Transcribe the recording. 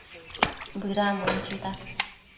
Bëdambuen chuita